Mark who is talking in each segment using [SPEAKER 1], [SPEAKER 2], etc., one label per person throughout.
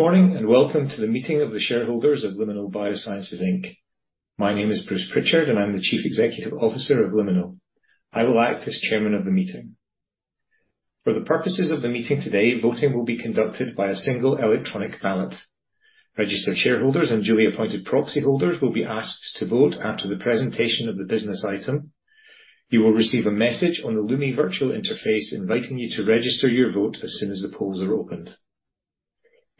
[SPEAKER 1] Good morning, welcome to the meeting of the shareholders of Liminal BioSciences Inc. My name is Bruce Pritchard, I'm the Chief Executive Officer of Liminal. I will act as chairman of the meeting. For the purposes of the meeting today, voting will be conducted by a single electronic ballot. Registered shareholders and duly appointed proxyholders will be asked to vote after the presentation of the business item. You will receive a message on the Lumi virtual interface inviting you to register your vote as soon as the polls are opened.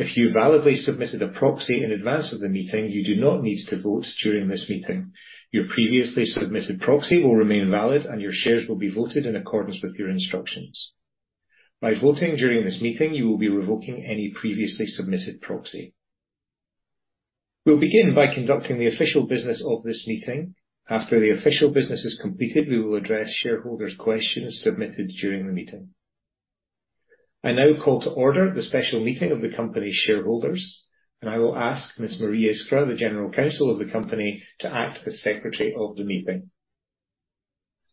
[SPEAKER 1] If you validly submitted a proxy in advance of the meeting, you do not need to vote during this meeting. Your previously submitted proxy will remain valid, your shares will be voted in accordance with your instructions. By voting during this meeting, you will be revoking any previously submitted proxy. We'll begin by conducting the official business of this meeting. After the official business is completed, we will address shareholders' questions submitted during the meeting. I now call to order the special meeting of the company shareholders. I will ask Ms. Marie Iskra, the General Counsel of the company, to act as Secretary of the meeting.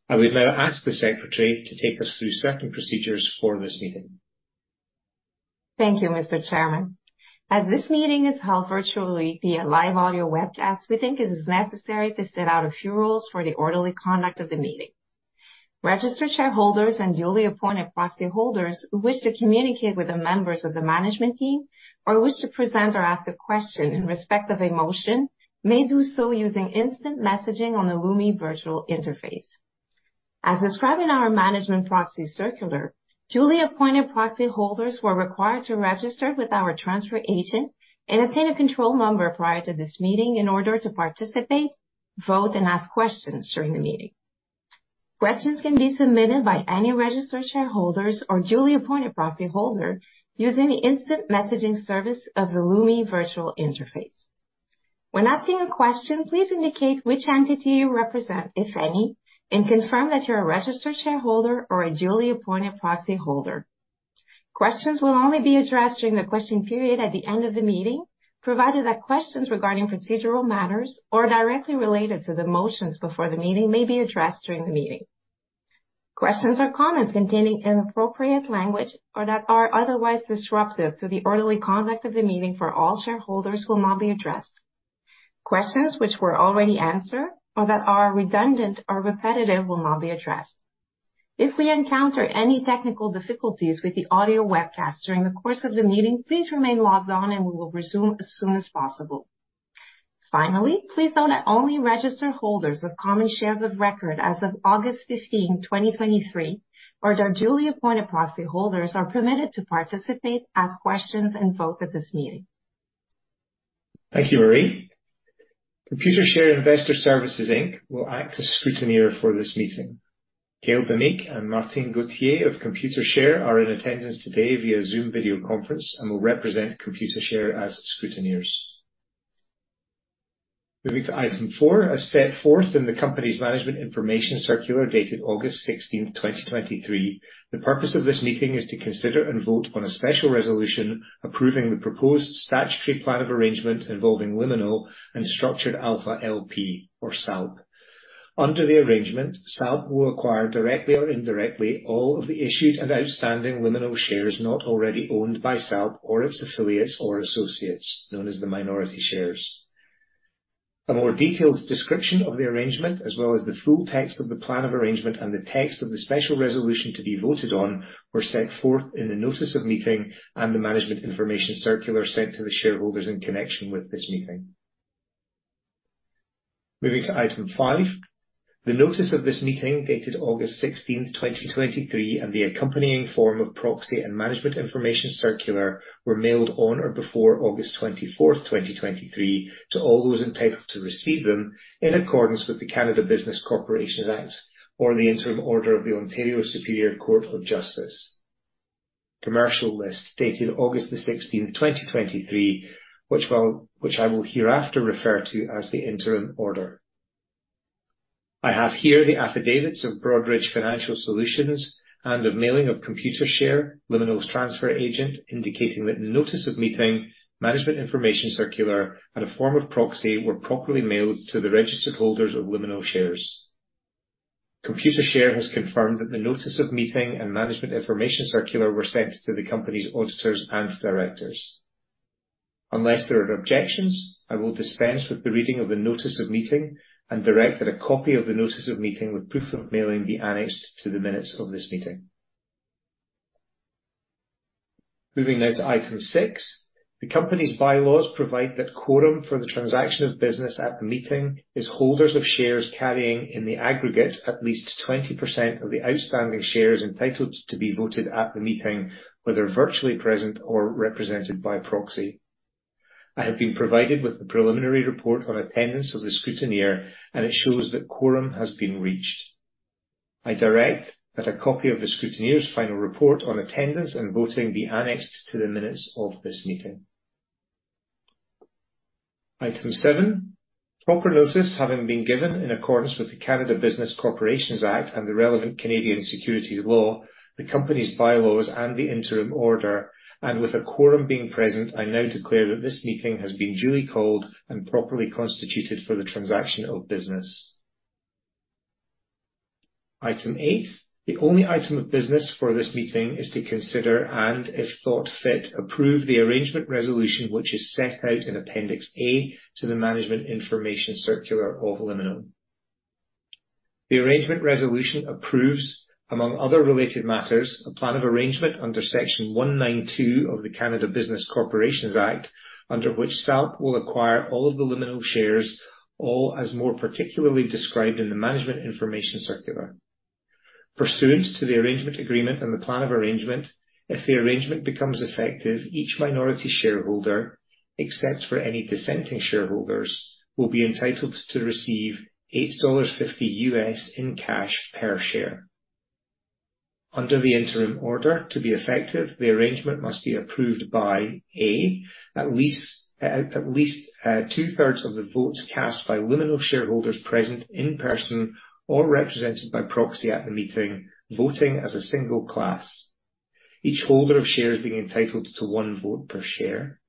[SPEAKER 1] I would now ask the Secretary to take us through certain procedures for this meeting.
[SPEAKER 2] Thank you, Mr. Chairman. As this meeting is held virtually via live audio webcast, we think it is necessary to set out a few rules for the orderly conduct of the meeting. Registered shareholders and duly appointed proxyholders who wish to communicate with the members of the management team or wish to present or ask a question in respect of a motion may do so using instant messaging on the Lumi virtual interface. As described in our management proxy circular, duly appointed proxyholders were required to register with our transfer agent and obtain a control number prior to this meeting in order to participate, vote, and ask questions during the meeting. Questions can be submitted by any registered shareholders or duly appointed proxyholder using the instant messaging service of the Lumi virtual interface. When asking a question, please indicate which entity you represent, if any, and confirm that you're a registered shareholder or a duly appointed proxyholder. Questions will only be addressed during the question period at the end of the meeting, provided that questions regarding procedural matters or directly related to the motions before the meeting may be addressed during the meeting. Questions or comments containing inappropriate language or that are otherwise disruptive to the orderly conduct of the meeting for all shareholders will not be addressed. Questions which were already answered or that are redundant or repetitive will not be addressed. If we encounter any technical difficulties with the audio webcast during the course of the meeting, please remain logged on, and we will resume as soon as possible. Please note that only registered holders of common shares of record as of August 15, 2023, or their duly appointed proxyholders are permitted to participate, ask questions, and vote at this meeting.
[SPEAKER 1] Thank you, Marie. Computershare Investor Services Inc. will act as scrutineer for this meeting. Gail Bemique and Martine Gauthier of Computershare are in attendance today via Zoom video conference and will represent Computershare as scrutineers. Moving to Item 4, as set forth in the company's Management Information Circular dated August 16th, 2023, the purpose of this meeting is to consider and vote on a special resolution approving the proposed statutory plan of arrangement involving Liminal and Structured Alpha LP or SALP. Under the arrangement, SALP will acquire, directly or indirectly, all of the issued and outstanding Liminal shares not already owned by SALP or its affiliates or associates, known as the minority shares. A more detailed description of the arrangement, as well as the full text of the plan of arrangement and the text of the special resolution to be voted on, were set forth in the notice of meeting and the Management Information Circular sent to the shareholders in connection with this meeting. Moving to Item 5, the notice of this meeting, dated August 16th, 2023, and the accompanying form of proxy and Management Information Circular were mailed on or before August 24th, 2023, to all those entitled to receive them in accordance with the Canada Business Corporations Act or the interim order of the Ontario Superior Court of Justice, dated August the 16th, 2023, which I will hereafter refer to as the interim order. I have here the affidavits of Broadridge Financial Solutions and of mailing of Computershare, Liminal's transfer agent, indicating that the notice of meeting, Management Information Circular, and a form of proxy were properly mailed to the registered holders of Liminal shares. Computershare has confirmed that the notice of meeting and Management Information Circular were sent to the company's auditors and directors. Unless there are objections, I will dispense with the reading of the notice of meeting and direct that a copy of the notice of meeting with proof of mailing be annexed to the minutes of this meeting. Moving now to Item 6. The company's bylaws provide that quorum for the transaction of business at the meeting is holders of shares carrying, in the aggregate, at least 20% of the outstanding shares entitled to be voted at the meeting, whether virtually present or represented by proxy. I have been provided with the preliminary report on attendance of the scrutineer, and it shows that quorum has been reached. I direct that a copy of the scrutineer's final report on attendance and voting be annexed to the minutes of this meeting. Item 7. Proper notice having been given in accordance with the Canada Business Corporations Act and the relevant Canadian securities law, the company's bylaws, and the interim order, and with a quorum being present, I now declare that this meeting has been duly called and properly constituted for the transaction of business. Item 8. The only item of business for this meeting is to consider, and if thought fit, approve the arrangement resolution, which is set out in Appendix A to the management information circular of Liminal. The arrangement resolution approves, among other related matters, a plan of arrangement under Section 192 of the Canada Business Corporations Act, under which SALP will acquire all of the Liminal shares, all as more particularly described in the management information circular. Pursuant to the arrangement agreement and the plan of arrangement, if the arrangement becomes effective, each minority shareholder, except for any dissenting shareholders, will be entitled to receive $8.50 in cash per share. Under the interim order, to be effective, the arrangement must be approved by at least two-thirds of the votes cast by Liminal shareholders present in person or represented by proxy at the meeting, voting as a single class. Each holder of shares being entitled to one vote per share.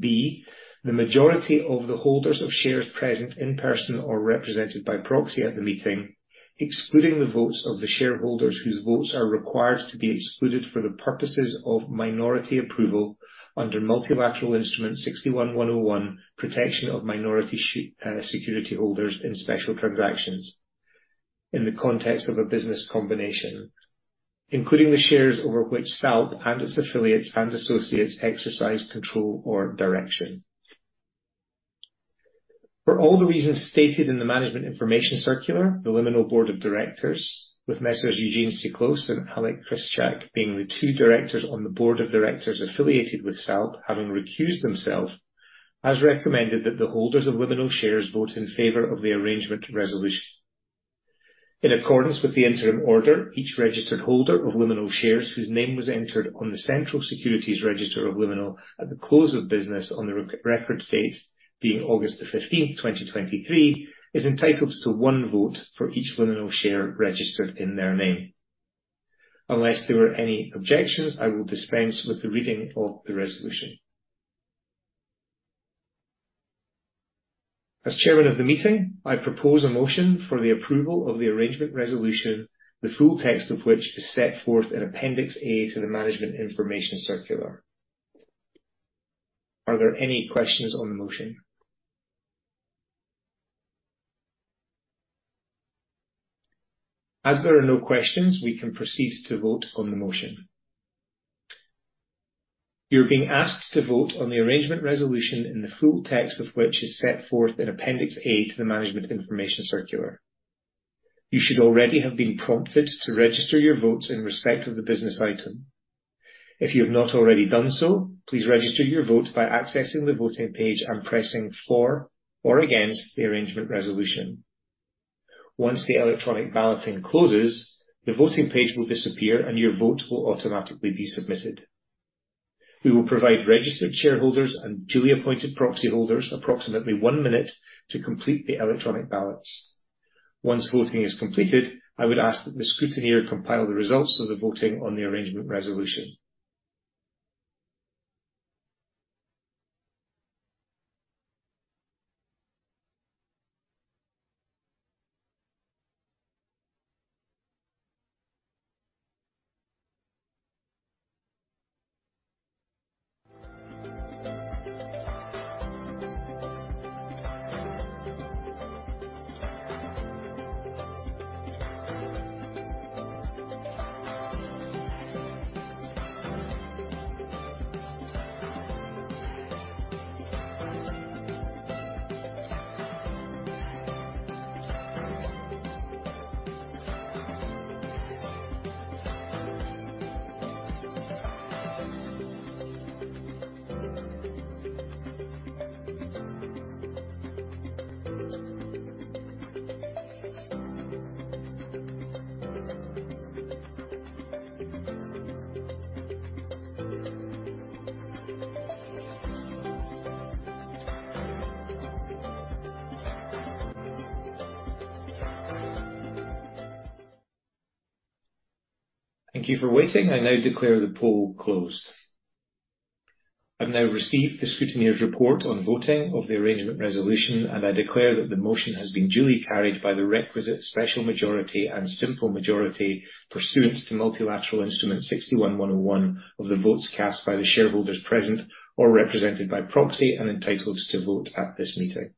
[SPEAKER 1] B, the majority of the holders of shares present in person or represented by proxy at the meeting, excluding the votes of the shareholders whose votes are required to be excluded for the purposes of minority approval under Multilateral Instrument 61-101, Protection of Minority Security Holders in Special Transactions in the context of a business combination. Including the shares over which SALP and its affiliates and associates exercise control or direction. For all the reasons stated in the management information circular, the Liminal board of directors with Messrs Eugene Siklos and Alek Krstajic being the two directors on the board of directors affiliated with SALP having recused themselves, has recommended that the holders of Liminal shares vote in favor of the arrangement resolution. In accordance with the interim order, each registered holder of Liminal shares, whose name was entered on the Central Securities Register of Liminal at the close of business on the record date being August the 15th, 2023, is entitled to 1 vote for each Liminal share registered in their name. Unless there were any objections, I will dispense with the reading of the resolution. As chairman of the meeting, I propose a motion for the approval of the arrangement resolution, the full text of which is set forth in Appendix A to the management information circular. Are there any questions on the motion? As there are no questions, we can proceed to vote on the motion. You are being asked to vote on the arrangement resolution in the full text of which is set forth in Appendix A to the management information circular. You should already have been prompted to register your votes in respect of the business item. If you have not already done so, please register your vote by accessing the voting page and pressing for or against the arrangement resolution. Once the electronic balloting closes, the voting page will disappear, and your vote will automatically be submitted. We will provide registered shareholders and duly appointed proxy holders approximately one minute to complete the electronic ballots. Once voting is completed, I would ask that the scrutineer compile the results of the voting on the arrangement resolution. Thank you for waiting. I now declare the poll closed. I've now received the scrutineer's report on voting of the arrangement resolution, and I declare that the motion has been duly carried by the requisite special majority and simple majority pursuant to Multilateral Instrument 61-101 of the votes cast by the shareholders present or represented by proxy and entitled to vote at this meeting.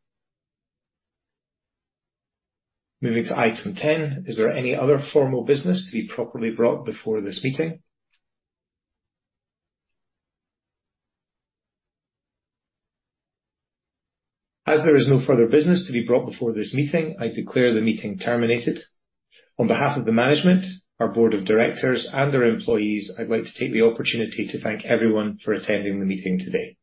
[SPEAKER 1] Moving to item 10. Is there any other formal business to be properly brought before this meeting? As there is no further business to be brought before this meeting, I declare the meeting terminated. On behalf of the management, our board of directors and our employees, I'd like to take the opportunity to thank everyone for attending the meeting today.